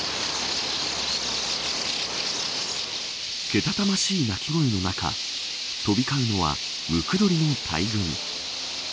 けたたましい鳴き声の中飛び交うのはムクドリの大群。